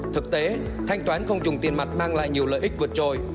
thực tế thanh toán không dùng tiền mặt mang lại nhiều lợi ích vượt trội